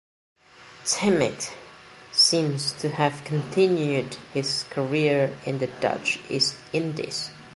Temminck seems to have continued his career in the Dutch East Indies.